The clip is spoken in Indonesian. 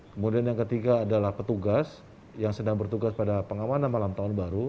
kemudian yang ketiga adalah petugas yang sedang bertugas pada pengamanan malam tahun baru